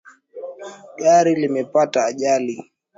Gari limepata ajali.